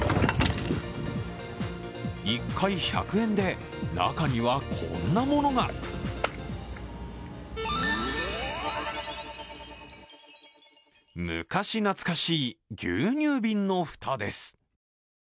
１回１００円で、中にはこんなものが昔懐かしい牛乳瓶の蓋です。